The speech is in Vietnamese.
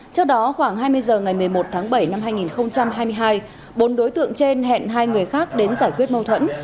trước đó khoảng hai mươi h ngày một mươi một tháng bảy năm hai nghìn hai mươi hai bốn đối tượng trên hẹn hai người khác đến giải quyết mâu thuẫn